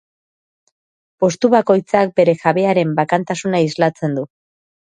Postu bakoitzak bere jabearen bakantasuna islatzen du.